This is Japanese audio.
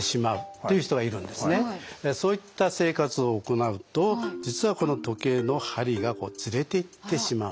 そういった生活を行うと実はこの時計の針がこうズレていってしまうんですね